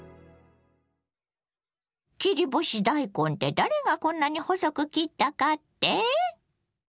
切り干し大根って誰がこんなに細く切ったかって？